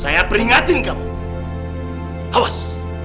saya peringatin kamu hai haus